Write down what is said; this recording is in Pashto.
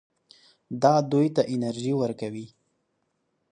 دا دوی ته انرژي ورکوي.